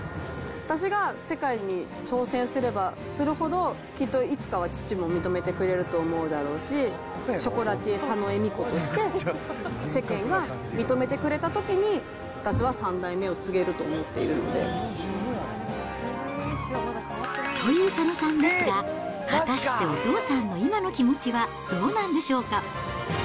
私が世界に挑戦すればするほど、きっといつかは父も認めてくれると思うだろうし、ショコラティエ、佐野恵美子として世間が認めてくれたときに、私は３代目を継げという佐野さんですが、果たしてお父さんの今の気持ちはどうなんでしょうか。